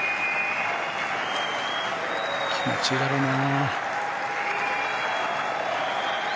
気持ちいいだろうな。